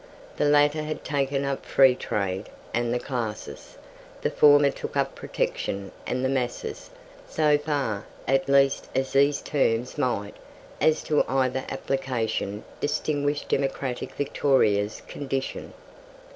The latter had taken up Freetrade and the "classes;" the former took up Protection and the "masses;" so far, at least as these terms might, as to either application, distinguish democratic Victoria's condition.